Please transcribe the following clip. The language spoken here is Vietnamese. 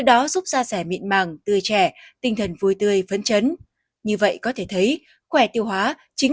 đó giúp da sẻ mịn màng tươi trẻ tinh thần vui tươi phấn chấn như vậy có thể thấy khỏe tiêu hóa chính